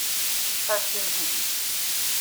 Ar timlilit!